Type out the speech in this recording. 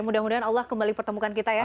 mudah mudahan allah kembali pertemukan kita ya